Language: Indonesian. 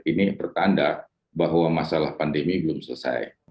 ini pertanda bahwa masalah pandemi belum selesai